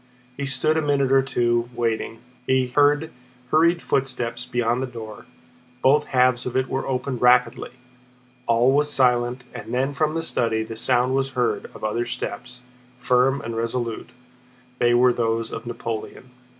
He stood a minute or two, waiting. He heard hurried footsteps beyond the door, both halves of it were opened rapidly; all was silent and then from the study the sound was heard of other steps, firm and resolute—they were those of Napoleon.